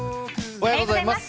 おはようございます。